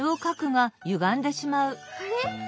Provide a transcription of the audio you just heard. あれ？